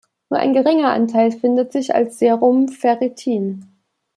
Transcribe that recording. Nur ein geringer Anteil findet sich als Serum-Ferritin.